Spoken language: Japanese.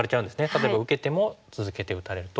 例えば受けても続けて打たれると。